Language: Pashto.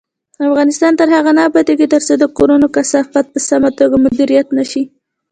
افغانستان تر هغو نه ابادیږي، ترڅو د کورونو کثافات په سمه توګه مدیریت نشي.